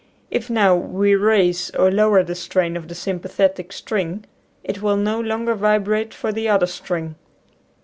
If, now, we raise or lower the strain of the sympathetic string it will no longer vibrate for the other string.